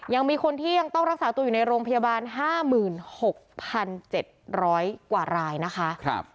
ยังมีคนที่ยังต้องรักษาตัวอยู่ในโรงพยาบาล๕๖๗๐๐กว่ารายนะคะ